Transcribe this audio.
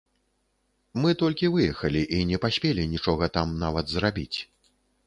Мы толькі выехалі і не паспелі нічога там нават зрабіць.